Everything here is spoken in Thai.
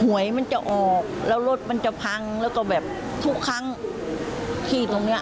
หวยมันจะออกแล้วรถมันจะพังแล้วก็แบบทุกครั้งที่ตรงเนี้ย